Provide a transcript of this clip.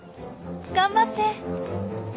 頑張って！